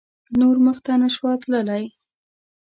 نور مخته نه شوای تللای.